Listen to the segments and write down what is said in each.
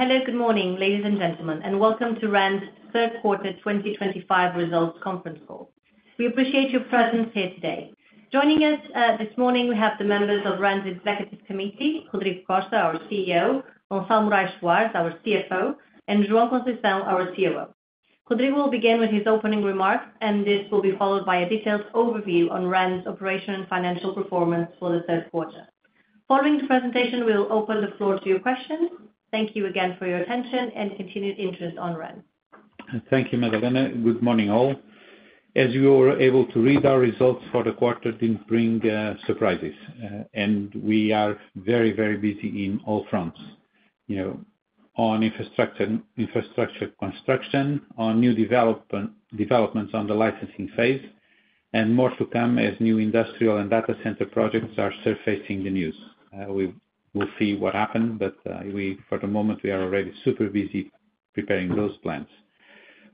Hello, good morning, ladies and gentlemen, and welcome to REN's third quarter 2025 results conference call. We appreciate your presence here today. Joining us this morning, we have the members of REN's executive committee: Rodrigo Costa, our CEO, Gonçalo Morais Soares, our CFO, and João Conceição, our COO. Rodrigo will begin with his opening remarks, and this will be followed by a detailed overview on REN's operation and financial performance for the third quarter. Following the presentation, we will open the floor to your questions. Thank you again for your attention and continued interest in REN. Thank you, Madalena. Good morning, all. As you were able to read, our results for the quarter did not bring surprises, and we are very, very busy in all fronts: on infrastructure construction, on new developments on the licensing phase, and more to come as new industrial and data center projects are surfacing in the news. We will see what happens, but for the moment, we are already super busy preparing those plans.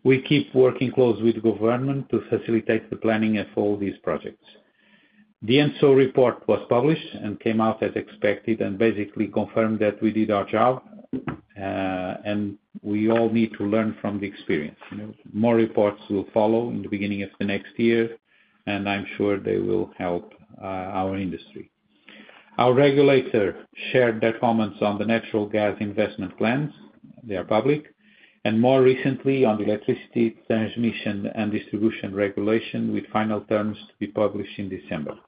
We keep working close with the government to facilitate the planning of all these projects. The ENSO report was published and came out as expected and basically confirmed that we did our job, and we all need to learn from the experience. More reports will follow in the beginning of the next year, and I am sure they will help our industry. Our regulator shared their comments on the natural gas investment plans; they are public. More recently, on electricity transmission and distribution regulation, with final terms to be published in December.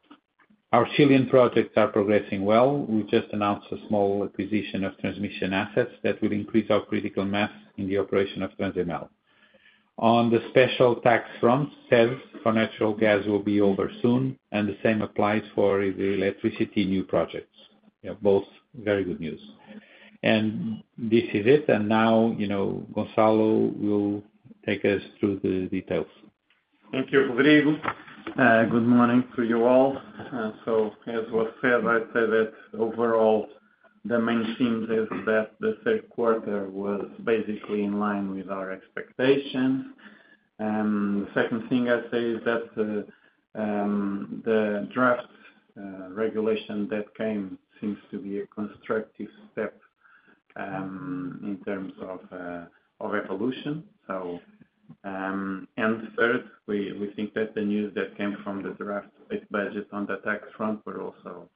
Our Chilean projects are progressing well. We just announced a small acquisition of transmission assets that will increase our critical mass in the operation of Transemel. On the special tax fronts, sales for natural gas will be over soon, and the same applies for the electricity new projects. Both very good news. This is it. Now, Gonçalo will take us through the details. Thank you, Rodrigo. Good morning to you all. As was said, I'd say that overall, the main thing is that the third quarter was basically in line with our expectations. The draft regulation that came seems to be a constructive step in terms of evolution. We think that the news that came from the draft budget on the tax front were also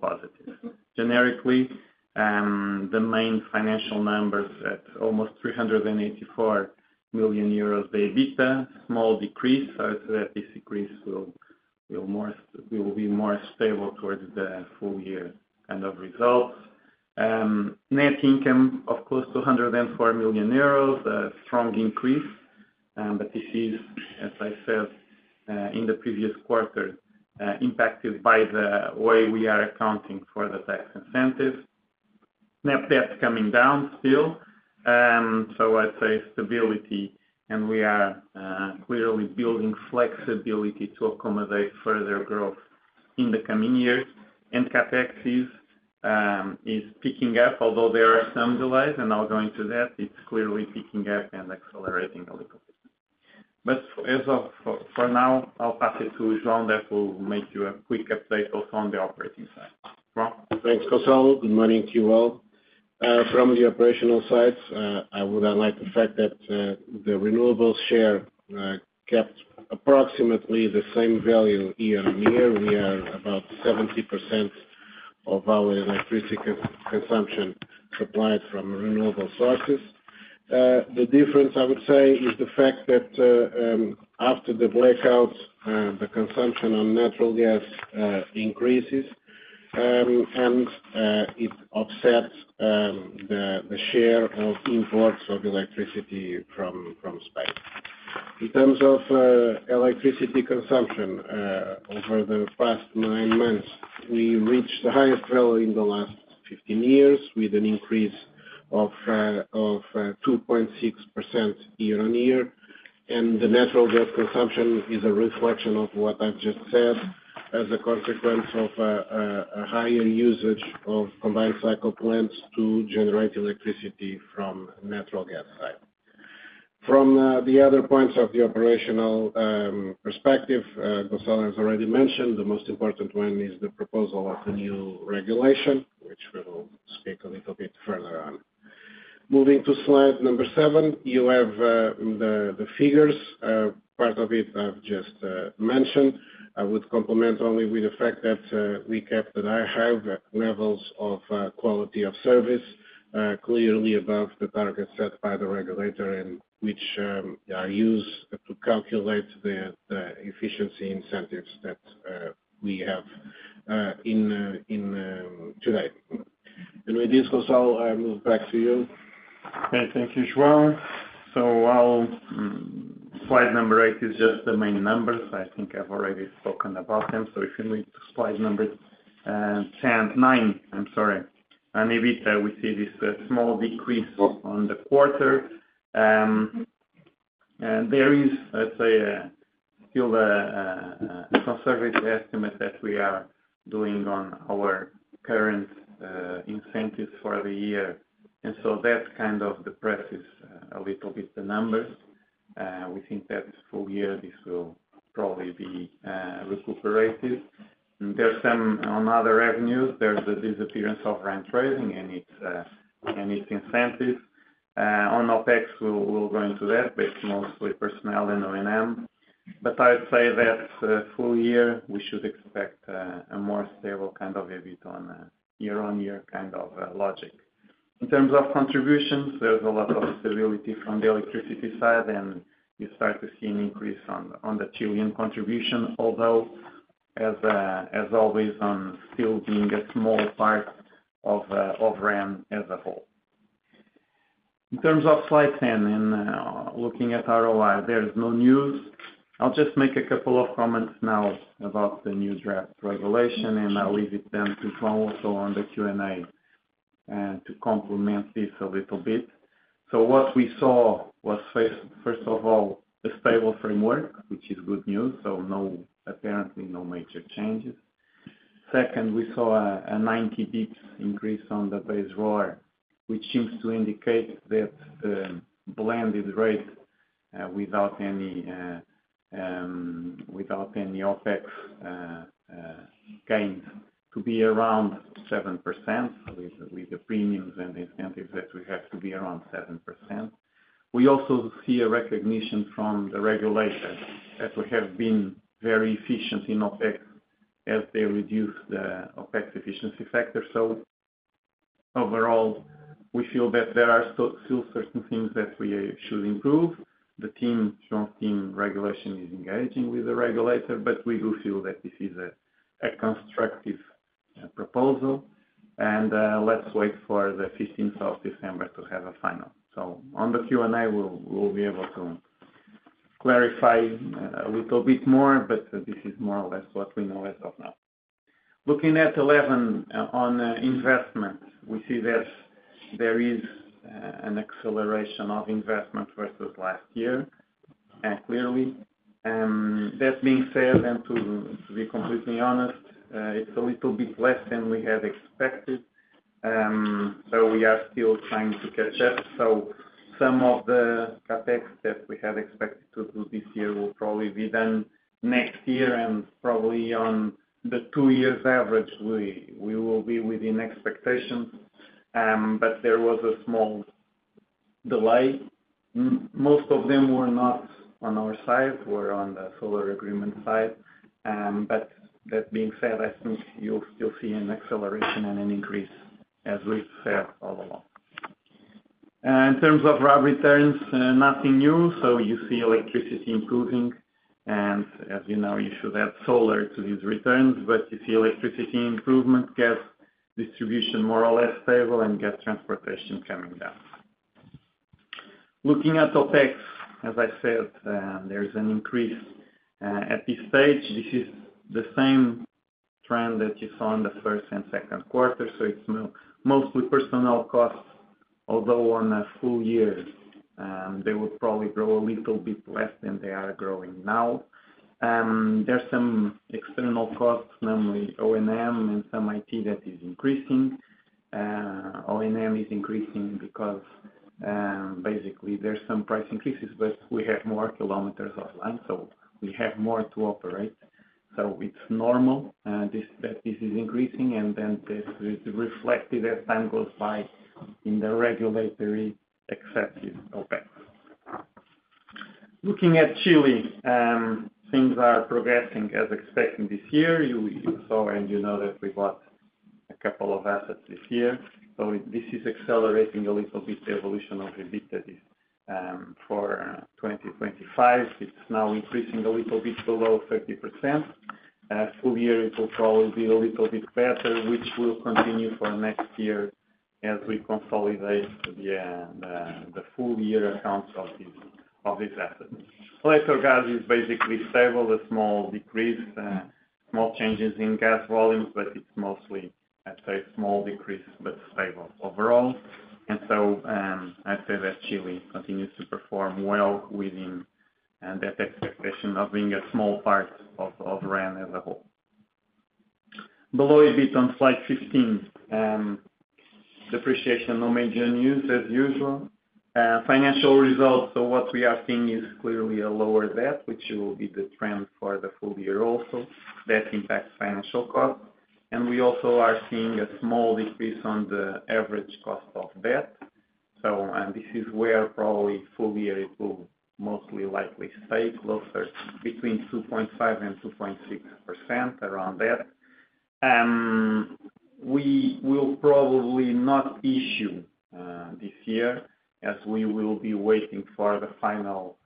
positive. Generically, the main financial numbers at almost 384 million euros, they beat a small decrease. I'd say that this decrease will be more stable towards the full year kind of results. Net income of close to 104 million euros, a strong increase. This is, as I said in the previous quarter, impacted by the way we are accounting for the tax incentives. Net debt coming down still. I'd say stability, and we are clearly building flexibility to accommodate further growth in the coming years. CapEx is picking up, although there are some delays. I'll go into that. It's clearly picking up and accelerating a little bit. For now, I'll pass it to João that will make you a quick update also on the operating side. João? Thanks, Gonçalo. Good morning to you all. From the operational side, I would highlight the fact that the renewables share kept approximately the same value year on year. We are about 70% of our electricity consumption supplied from renewable sources. The difference, I would say, is the fact that after the blackouts, the consumption on natural gas increases, and it offsets the share of imports of electricity from Spain. In terms of electricity consumption, over the past nine months, we reached the highest value in the last 15 years, with an increase of 2.6% year on year. The natural gas consumption is a reflection of what I've just said as a consequence of a higher usage of combined cycle plants to generate electricity from natural gas side. From the other points of the operational perspective, Gonçalo has already mentioned, the most important one is the proposal of the new regulation, which we will speak a little bit further on. Moving to slide number seven, you have the figures. Part of it I've just mentioned. I would complement only with the fact that we kept the higher levels of quality of service, clearly above the target set by the regulator, which are used to calculate the efficiency incentives that we have today. With this, Gonçalo, I move back to you. Okay, thank you, João. Slide number eight is just the main numbers. I think I've already spoken about them. If you move to slide number nine, I'm sorry, and we see this small decrease on the quarter. There is, I'd say, still a conservative estimate that we are doing on our current incentives for the year. That kind of depresses a little bit the numbers. We think that full year this will probably be recuperated. There's some on other revenues. There's the disappearance of rent raising and its incentives. On OPEX, we'll go into that, but mostly personnel and O&M. I'd say that full year, we should expect a more stable kind of EBITDA on a year-on-year kind of logic. In terms of contributions, there's a lot of stability from the electricity side, and you start to see an increase on the Chilean contribution, although, as always, on still being a small part of REN as a whole. In terms of slide 10, and looking at ROI, there's no news. I'll just make a couple of comments now about the new draft regulation, and I'll leave it then to João also on the Q&A to complement this a little bit. What we saw was, first of all, a stable framework, which is good news. Apparently, no major changes. Second, we saw a 90 basis points increase on the base ROI, which seems to indicate that the blended rate, without any OPEX gains, to be around 7%, with the premiums and incentives that we have to be around 7%. We also see a recognition from the regulator that we have been very efficient in OPEX as they reduce the OPEX efficiency factor. Overall, we feel that there are still certain things that we should improve. João's team regulation is engaging with the regulator, but we do feel that this is a constructive proposal. Let's wait for the 15th of December to have a final. On the Q&A, we'll be able to clarify a little bit more, but this is more or less what we know as of now. Looking at 11, on investment, we see that there is an acceleration of investment versus last year, clearly. That being said, and to be completely honest, it's a little bit less than we had expected. We are still trying to catch up. Some of the CapEx that we had expected to do this year will probably be done next year. Probably on the two-year average, we will be within expectations. There was a small delay. Most of them were not on our side, were on the solar agreement side. That being said, I think you'll still see an acceleration and an increase, as we've said all along. In terms of ROI returns, nothing new. You see electricity improving. As you know, you should add solar to these returns. You see electricity improvement, gas distribution more or less stable, and gas transportation coming down. Looking at OpEx, as I said, there's an increase at this stage. This is the same trend that you saw in the first and second quarter. It is mostly personnel costs, although on a full year, they would probably grow a little bit less than they are growing now. There are some external costs, namely O&M and some IT that is increasing. O&M is increasing because basically there are some price increases, but we have more kilometers offline, so we have more to operate. It is normal that this is increasing. This is reflected as time goes by in the regulatory excessive OPEX. Looking at Chile, things are progressing as expected this year. You saw and you know that we bought a couple of assets this year. This is accelerating a little bit the evolution of EBITDA for 2025. It is now increasing a little bit below 30%. Full year, it will probably be a little bit better, which will continue for next year as we consolidate the full year accounts of these assets. Electric gas is basically stable, a small decrease, small changes in gas volumes, but it's mostly, I'd say, a small decrease but stable overall. I'd say that Chile continues to perform well within that expectation of being a small part of REN as a whole. Below EBIT on slide 15, depreciation, no major news as usual. Financial results, what we are seeing is clearly a lower debt, which will be the trend for the full year also. That impacts financial costs. We also are seeing a small decrease on the average cost of debt. This is where probably full year it will most likely stay closer between 2.5% and 2.6% around that. We will probably not issue this year as we will be waiting for the final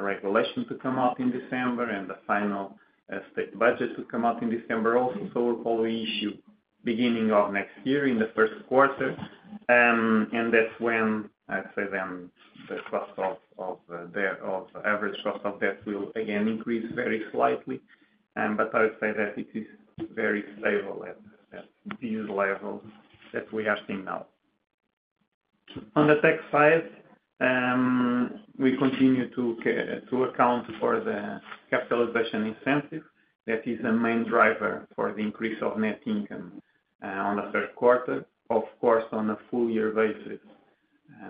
regulation to come out in December and the final state budget to come out in December also. We will probably issue beginning of next year in the first quarter. That is when, I would say, the average cost of debt will again increase very slightly. I would say that it is very stable at these levels that we are seeing now. On the tax side, we continue to account for the capitalization incentive. That is a main driver for the increase of net income in the third quarter. Of course, on a full year basis,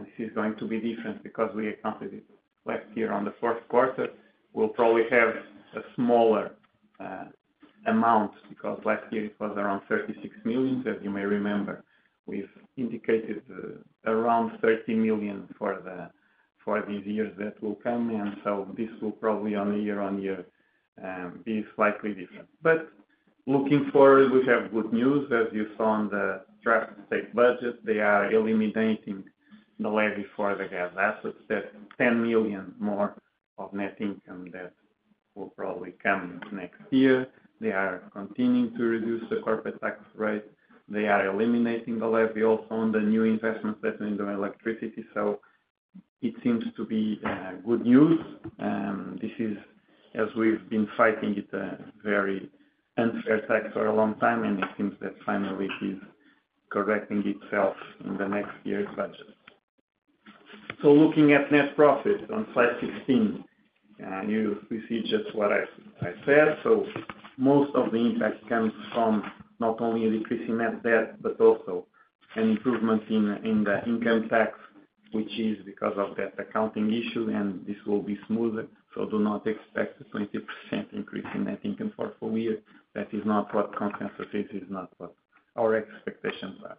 this is going to be different because we accounted it last year in the fourth quarter. We will probably have a smaller amount because last year it was around 36 million. As you may remember, we have indicated around 30 million for these years that will come. This will probably on a year-on-year be slightly different. Looking forward, we have good news. As you saw on the draft state budget, they are eliminating the levy for the gas assets, that 10 million more of net income that will probably come next year. They are continuing to reduce the corporate tax rate. They are eliminating the levy also on the new investments that are in electricity. It seems to be good news. This is, as we've been fighting it, a very unfair tax for a long time. It seems that finally it is correcting itself in the next year's budget. Looking at net profit on slide 16, we see just what I said. Most of the impact comes from not only a decrease in net debt, but also an improvement in the income tax, which is because of that accounting issue. This will be smoother. Do not expect a 20% increase in net income for full year. That is not what consensus is. It's not what our expectations are.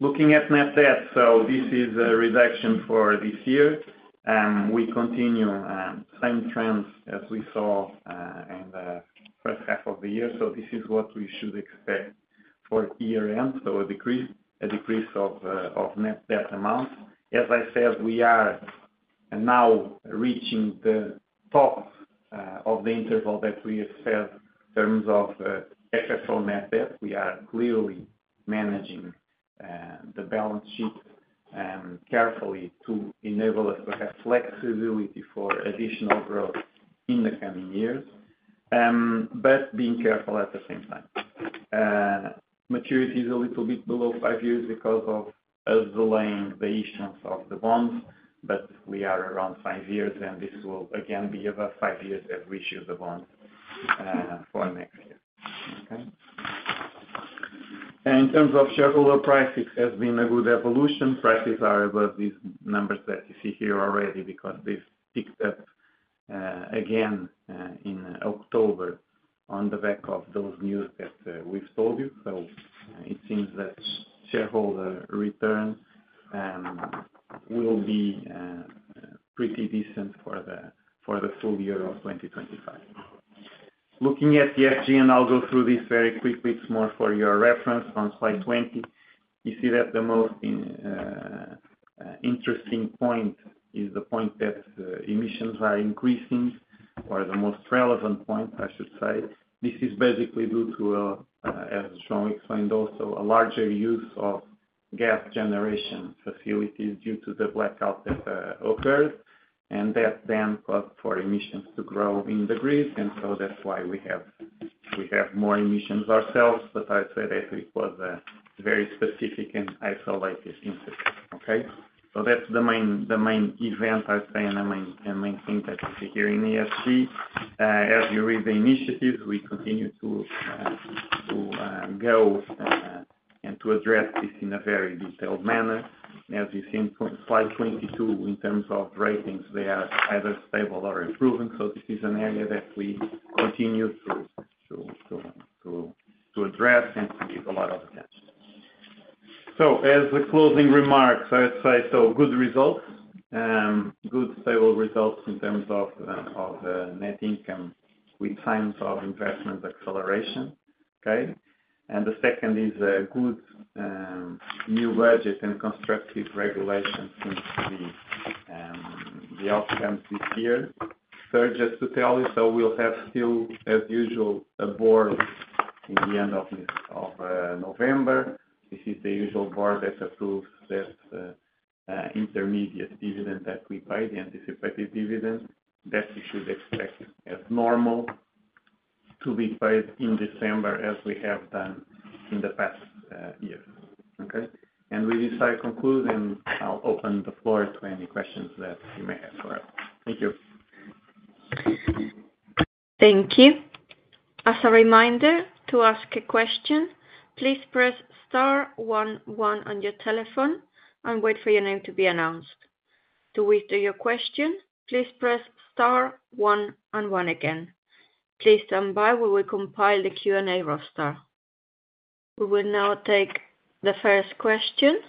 Looking at net debt, this is a reduction for this year. We continue same trends as we saw in the first half of the year. This is what we should expect for year-end, a decrease of net debt amount. As I said, we are now reaching the top of the interval that we have said in terms of excess net debt. We are clearly managing the balance sheet carefully to enable us to have flexibility for additional growth in the coming years, but being careful at the same time. Maturity is a little bit below five years because of delaying the issuance of the bonds. We are around five years, and this will again be about five years as we issue the bonds for next year. Okay? In terms of shareholder price, it has been a good evolution. Prices are above these numbers that you see here already because they have picked up again in October on the back of those news that we have told you. It seems that shareholder return will be pretty decent for the full year of 2025. Looking at the FG, and I will go through this very quickly. It is more for your reference on slide 20. You see that the most interesting point is the point that emissions are increasing, or the most relevant point, I should say. This is basically due to, as João explained also, a larger use of gas generation facilities due to the blackout that occurred. That then caused emissions to grow in the grid. That is why we have more emissions ourselves. I would say that it was a very specific and isolated incident. Okay? That's the main event, I'd say, and the main thing that you see here in ESG. As you read the initiatives, we continue to go and to address this in a very detailed manner. As you see in slide 22, in terms of ratings, they are either stable or improving. This is an area that we continue to address and to give a lot of attention. As a closing remark, I'd say good results, good stable results in terms of net income with signs of investment acceleration. Okay? The second is a good new budget and constructive regulation since the outcomes this year. Third, just to tell you, we'll have still, as usual, a board in the end of November. This is the usual board that approves that intermediate dividend that we paid, the anticipated dividend that we should expect as normal to be paid in December, as we have done in the past year. Okay? With this I conclude, and I'll open the floor to any questions that you may have for us. Thank you. Thank you. As a reminder to ask a question, please press star one-one on your telephone and wait for your name to be announced. To withdraw your question, please press star one-one again. Please stand by while we compile the Q&A roster. We will now take the first question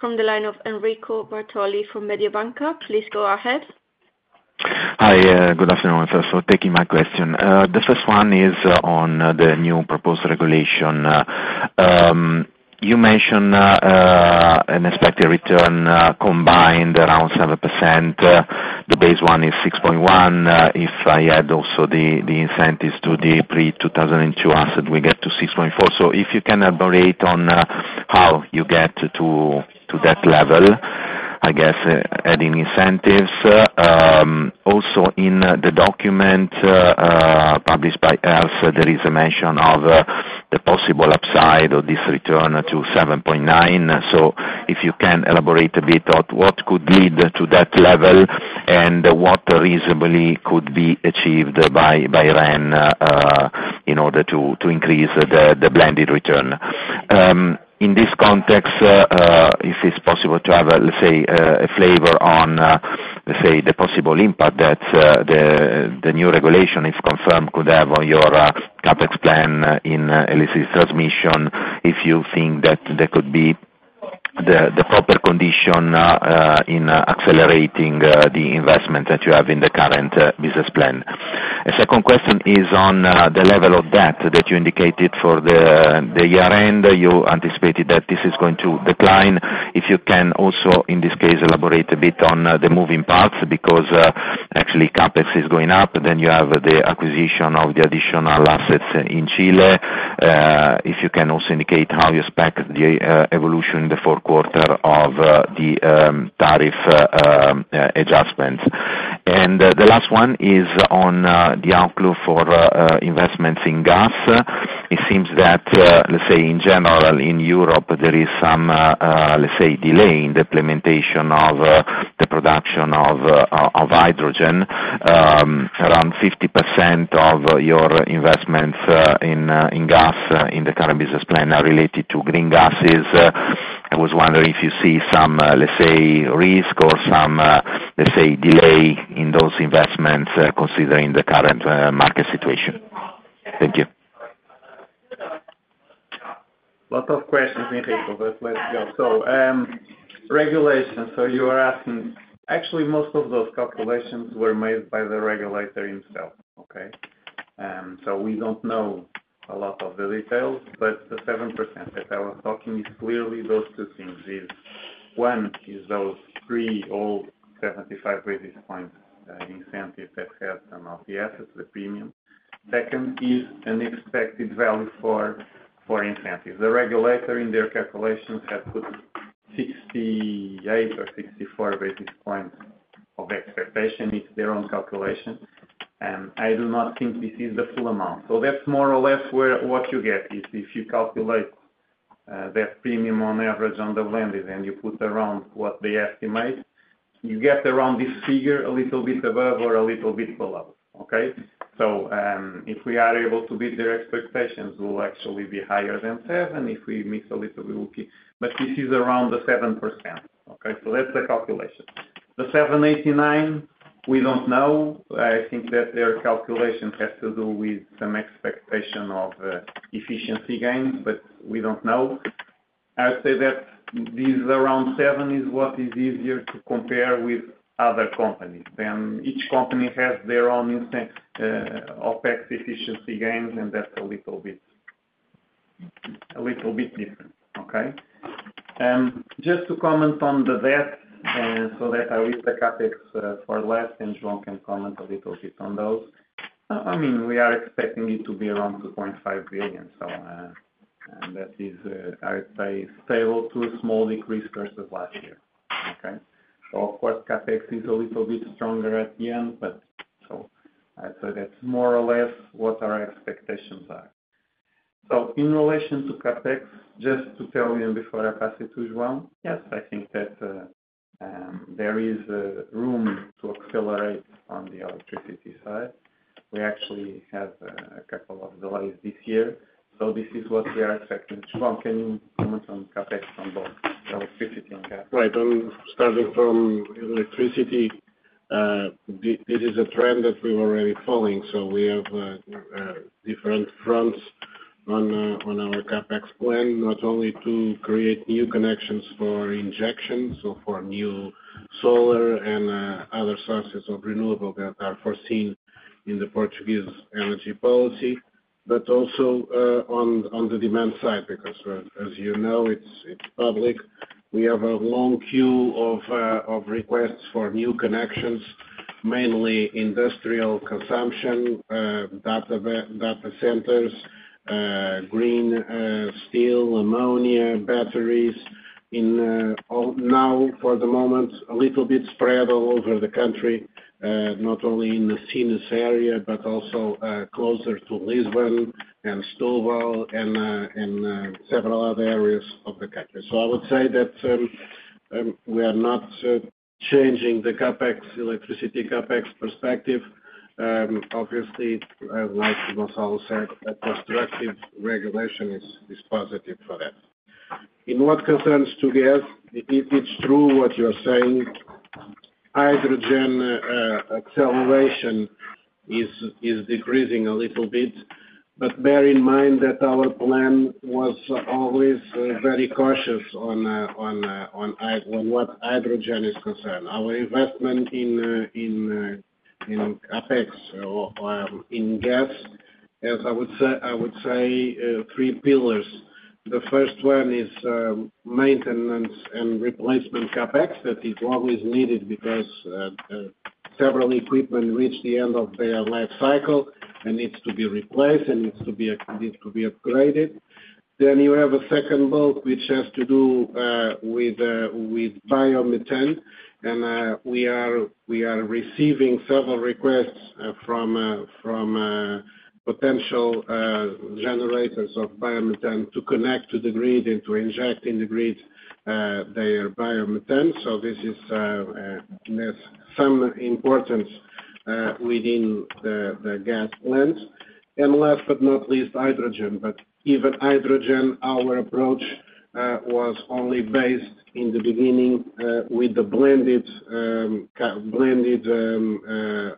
from the line of Enrico Bartoli from Mediabanca. Please go ahead. Hi, good afternoon. Thanks for taking my question. The first one is on the new proposed regulation. You mentioned an expected return combined around 7%. The base one is 6.1%. If I add also the incentives to the pre-2002 asset, we get to 6.4. If you can elaborate on how you get to that level, I guess, adding incentives. Also, in the document published by ERSE, there is a mention of the possible upside of this return to 7.9. If you can elaborate a bit on what could lead to that level and what reasonably could be achieved by REN in order to increase the blended return. In this context, if it is possible to have, let's say, a flavor on, let's say, the possible impact that the new regulation is confirmed could have on your CapEx plan in electricity transmission, if you think that there could be the proper condition in accelerating the investment that you have in the current business plan. A second question is on the level of debt that you indicated for the year-end. You anticipated that this is going to decline. If you can also, in this case, elaborate a bit on the moving parts because actually CapEx is going up, then you have the acquisition of the additional assets in Chile. If you can also indicate how you expect the evolution in the fourth quarter of the tariff adjustments. The last one is on the outflow for investments in gas. It seems that, let's say, in general, in Europe, there is some, let's say, delay in the implementation of the production of hydrogen. Around 50% of your investments in gas in the current business plan are related to green gases. I was wondering if you see some, let's say, risk or some, let's say, delay in those investments considering the current market situation. Thank you. A lot of questions, Enrico, but let's go. Regulations, you are asking. Actually, most of those calculations were made by the regulator himself. Okay? We do not know a lot of the details, but the 7% that I was talking is clearly those two things. One is those pre-old 75 basis points incentive that has some of the assets, the premium. Second is an expected value for incentives. The regulator, in their calculations, had put 68 or 64 basis points of expectation. It is their own calculation. I do not think this is the full amount. That is more or less what you get. If you calculate that premium on average on the blended and you put around what they estimate, you get around this figure a little bit above or a little bit below. Okay? If we are able to beat their expectations, we will actually be higher than 7. If we miss a little, we will keep. This is around the 7%. Okay? That is the calculation. The 789, we do not know. I think that their calculation has to do with some expectation of efficiency gains, but we do not know. I would say that this is around 7% and is what is easier to compare with other companies. Each company has their own OPEX efficiency gains, and that is a little bit different. Okay? Just to comment on the debt, I read the CapEx for less, and João can comment a little bit on those. I mean, we are expecting it to be around 2.5 billion. That is, I would say, stable to a small decrease versus last year. CapEx is a little bit stronger at the end, but I would say that is more or less what our expectations are. In relation to CapEx, just to tell you before I pass it to João, yes, I think that there is room to accelerate on the electricity side. We actually have a couple of delays this year. This is what we are expecting. João, can you comment on CapEx on both electricity and gas? Right. Starting from electricity, this is a trend that we're already following. We have different fronts on our CapEx plan, not only to create new connections for injection, so for new solar and other sources of renewable that are foreseen in the Portuguese energy policy, but also on the demand side because, as you know, it's public. We have a long queue of requests for new connections, mainly industrial consumption, data centers, green steel, ammonia, batteries. Now, for the moment, a little bit spread all over the country, not only in the Sines area, but also closer to Lisbon and Setúbal and several other areas of the country. I would say that we are not changing the CapEx, electricity CapEx perspective. Obviously, like Gonçalo said, a constructive regulation is positive for that. In what concerns to gas, it's true what you're saying. Hydrogen acceleration is decreasing a little bit, but bear in mind that our plan was always very cautious on what hydrogen is concerned. Our investment in CapEx or in gas has, I would say, three pillars. The first one is maintenance and replacement CapEx that is always needed because several equipment reach the end of their life cycle and needs to be replaced and needs to be upgraded. Then you have a second bulk which has to do with biomethane. We are receiving several requests from potential generators of biomethane to connect to the grid and to inject in the grid their biomethane. This is of some importance within the gas plants. Last but not least, hydrogen. Even hydrogen, our approach was only based in the beginning with the blended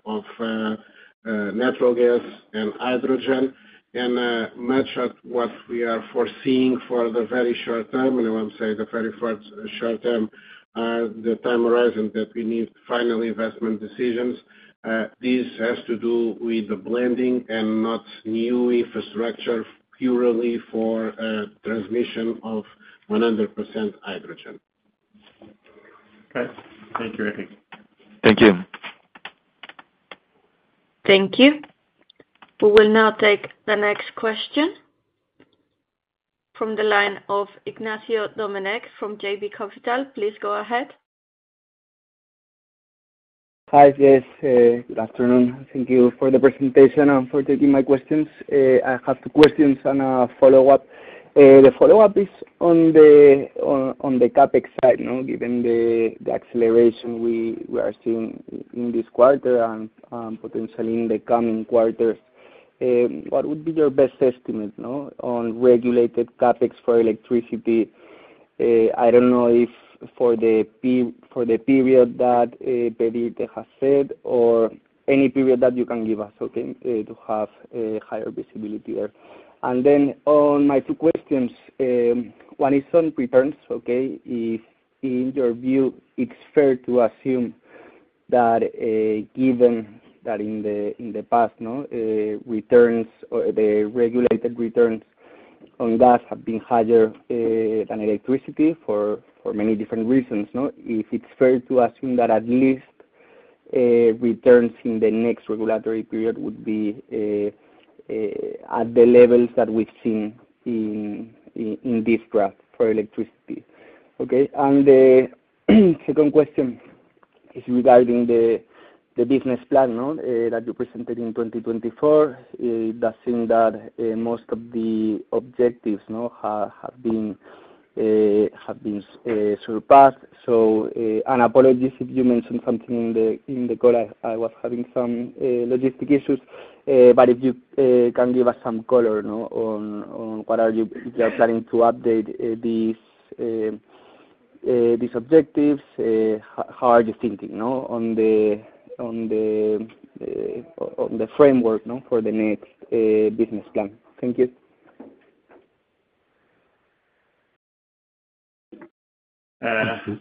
of natural gas and hydrogen. Much of what we are foreseeing for the very short term, and I want to say the very short term, the time horizon that we need final investment decisions, this has to do with the blending and not new infrastructure purely for transmission of 100% hydrogen. Okay. Thank you, Enrico. Thank you. Thank you. We will now take the next question from the line of Ignacio Domenech from JB Capital. Please go ahead. Hi, Jess. Good afternoon. Thank you for the presentation and for taking my questions. I have two questions and a follow-up. The follow-up is on the CapEx side, given the acceleration we are seeing in this quarter and potentially in the coming quarters. What would be your best estimate on regulated CapEx for electricity? I do not know if for the period that Pedemonte has said or any period that you can give us, okay, to have higher visibility there. On my two questions, one is on returns. Okay? If in your view, it is fair to assume that given that in the past, the regulated returns on gas have been higher than electricity for many different reasons, if it is fair to assume that at least returns in the next regulatory period would be at the levels that we have seen in this graph for electricity. Okay? The second question is regarding the business plan that you presented in 2024. It does seem that most of the objectives have been surpassed. An apology if you mentioned something in the call. I was having some logistic issues. If you can give us some color on what you are planning to update these objectives, how are you thinking on the framework for the next business plan? Thank you.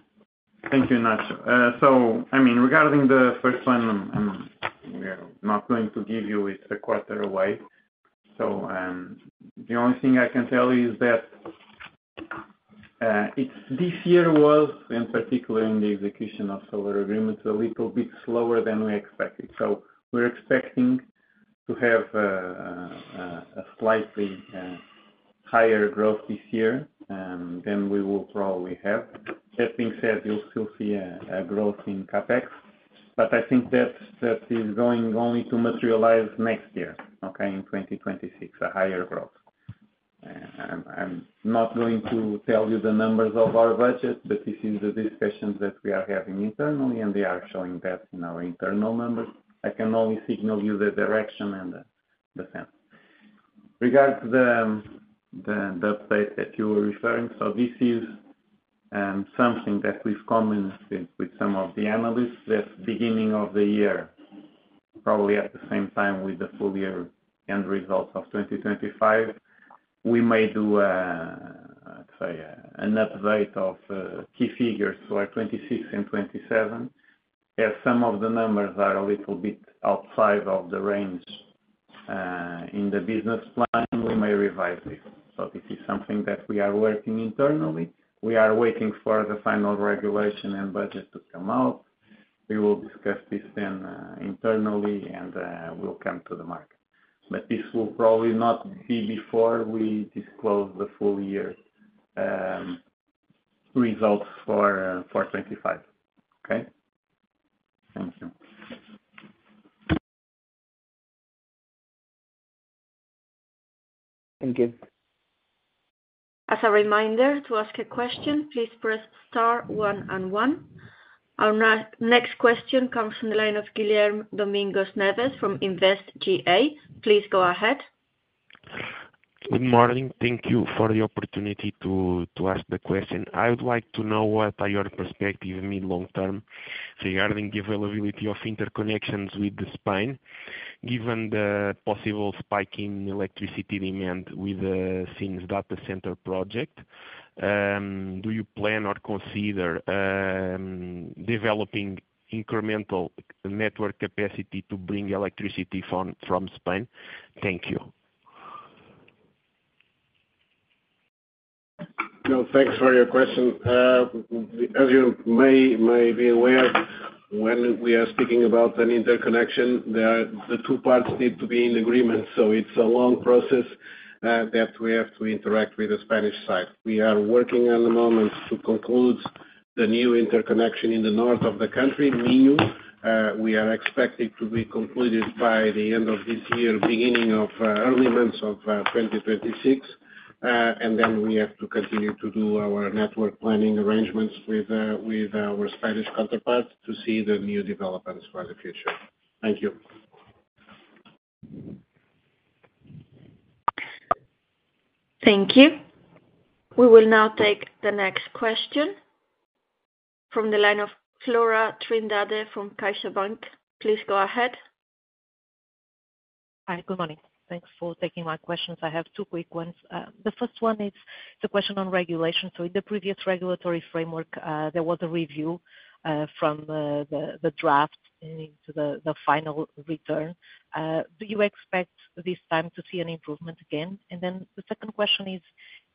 Thank you, Ignacio. I mean, regarding the first one, we are not going to give you it a quarter away. The only thing I can tell you is that this year was, in particular, in the execution of solar agreements, a little bit slower than we expected. We are expecting to have a slightly higher growth this year than we will probably have. That being said, you'll still see a growth in CapEx. I think that is going only to materialize next year, in 2026, a higher growth. I'm not going to tell you the numbers of our budget, but this is the discussions that we are having internally, and they are showing that in our internal numbers. I can only signal you the direction and the sense. Regarding the update that you were referring, this is something that we've commented with some of the analysts that beginning of the year, probably at the same time with the full year end results of 2025, we may do, let's say, an update of key figures for 2026 and 2027. As some of the numbers are a little bit outside of the range in the business plan, we may revise this. This is something that we are working internally. We are waiting for the final regulation and budget to come out. We will discuss this then internally, and we'll come to the market. This will probably not be before we disclose the full year results for 2025. Okay? Thank you. Thank you. As a reminder to ask a question, please press star one and one. Our next question comes from the line of Guilherme Domingos Neves from Invest GA. Please go ahead. Good morning. Thank you for the opportunity to ask the question. I would like to know what are your perspectives in the mid-long term regarding the availability of interconnections with Spain, given the possible spike in electricity demand with the Sines data center project. Do you plan or consider developing incremental network capacity to bring electricity from Spain? Thank you. No, thanks for your question. As you may be aware, when we are speaking about an interconnection, the two parts need to be in agreement. It is a long process that we have to interact with the Spanish side. We are working at the moment to conclude the new interconnection in the north of the country, Miño. We are expected to be completed by the end of this year, beginning of early months of 2026. We have to continue to do our network planning arrangements with our Spanish counterpart to see the new developments for the future. Thank you. Thank you. We will now take the next question from the line of Flora Trindade from CaixaBank. Please go ahead. Hi, good morning. Thanks for taking my questions. I have two quick ones. The first one is the question on regulation. In the previous regulatory framework, there was a review from the draft into the final return. Do you expect this time to see an improvement again? The second question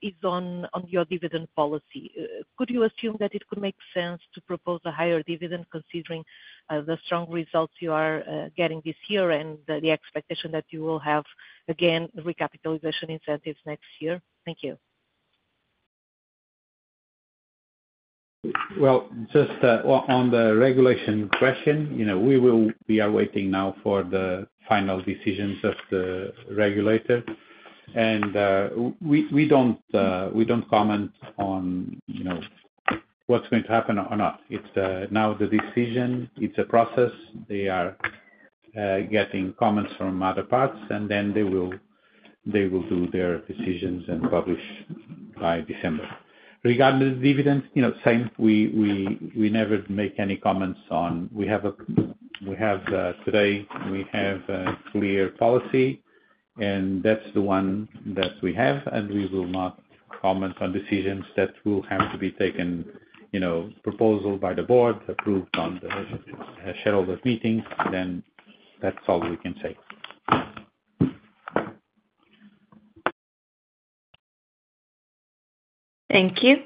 is on your dividend policy. Could you assume that it could make sense to propose a higher dividend considering the strong results you are getting this year and the expectation that you will have again recapitalization incentives next year? Thank you. Just on the regulation question, we are waiting now for the final decisions of the regulator. We do not comment on what is going to happen or not. It is now the decision. It is a process. They are getting comments from other parts, and they will do their decisions and publish by December. Regarding the dividends, same. We never make any comments on what we have today. We have a clear policy, and that is the one that we have. We will not comment on decisions that will have to be taken, proposal by the board, approved at the shareholders' meetings. That is all we can say. Thank you.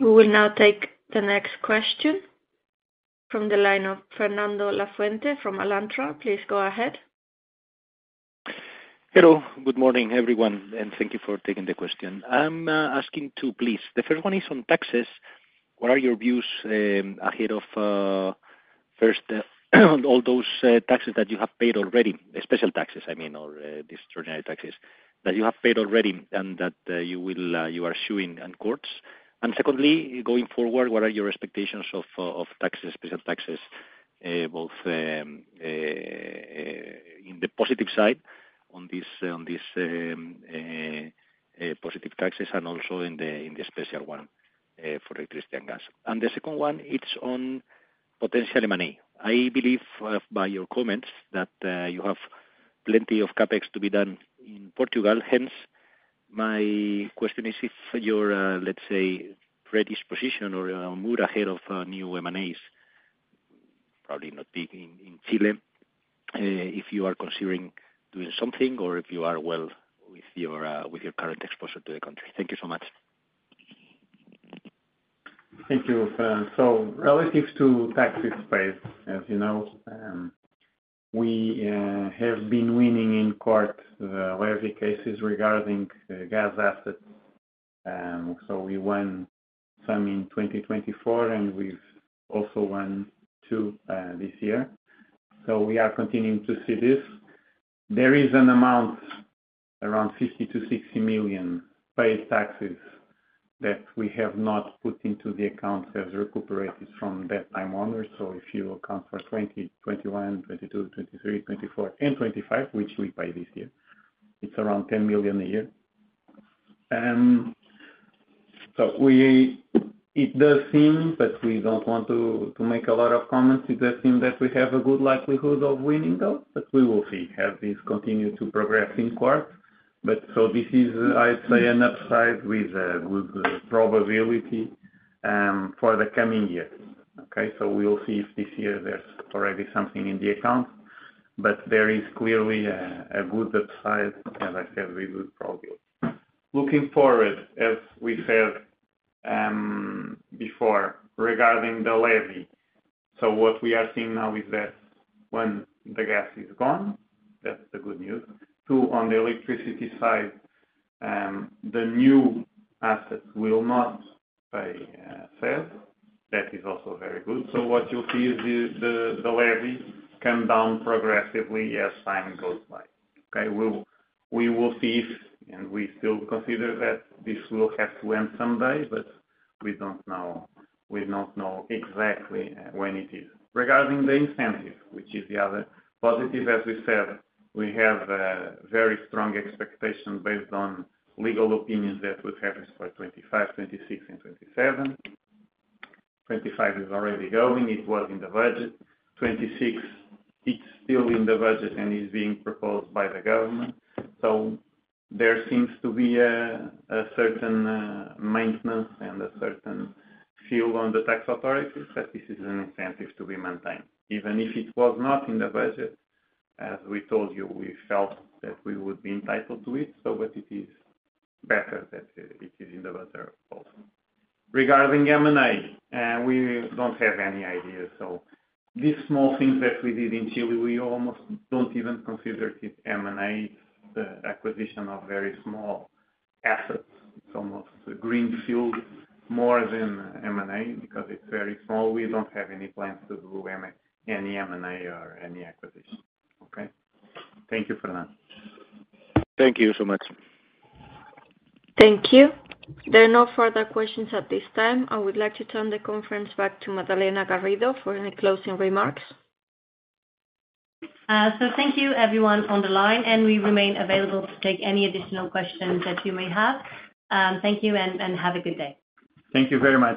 We will now take the next question from the line of Fernando Lafuente from Alantra. Please go ahead. Hello. Good morning, everyone. Thank you for taking the question. I'm asking two, please. The first one is on taxes. What are your views ahead of all those taxes that you have paid already, special taxes, I mean, or these extraordinary taxes that you have paid already and that you are suing in courts? Secondly, going forward, what are your expectations of special taxes, both in the positive side on these positive taxes and also in the special one for electricity and gas? The second one, it's on potential M&A. I believe by your comments that you have plenty of CapEx to be done in Portugal. Hence, my question is if your, let's say, predisposition or mood ahead of new M&As, probably not big in Chile, if you are considering doing something or if you are well with your current exposure to the country. Thank you so much. Thank you. Relative to tax space, as you know, we have been winning in court where the cases regarding gas assets. We won some in 2024, and we've also won two this year. We are continuing to see this. There is an amount around 50 million-60 million paid taxes that we have not put into the accounts as recuperated from that time honor. If you account for 2021, 2022, 2023, 2024, and 2025, which we paid this year, it's around EUR 10 million a year. It does seem, but we don't want to make a lot of comments. It does seem that we have a good likelihood of winning, though, but we will see as this continues to progress in court. I would say this is an upside with a good probability for the coming years. Okay? We will see if this year there is already something in the accounts. There is clearly a good upside, as I said, with good probability. Looking forward, as we said before regarding the levy, what we are seeing now is that when the gas is gone, that is the good news. Two, on the electricity side, the new assets will not pay sales. That is also very good. What you will see is the levy comes down progressively as time goes by. Okay? We will see if, and we still consider that this will have to end someday, but we do not know exactly when it is. Regarding the incentives, which is the other positive, as we said, we have a very strong expectation based on legal opinions that we've had for 2025, 2026, and 2027. 2025 is already going. It was in the budget. 2026, it's still in the budget and is being proposed by the government. There seems to be a certain maintenance and a certain feel on the tax authorities that this is an incentive to be maintained. Even if it was not in the budget, as we told you, we felt that we would be entitled to it. It is better that it is in the budget also. Regarding M&A, we don't have any idea. These small things that we did in Chile, we almost don't even consider it M&A. It's the acquisition of very small assets. It's almost greenfield more than M&A because it's very small. We do not have any plans to do any M&A or any acquisition. Okay? Thank you, Fernando. Thank you so much. Thank you. There are no further questions at this time. I would like to turn the conference back to Madalena Garrido for any closing remarks. Thank you, everyone on the line, and we remain available to take any additional questions that you may have. Thank you and have a good day. Thank you very much.